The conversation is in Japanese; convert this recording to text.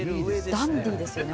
ダンディーですよね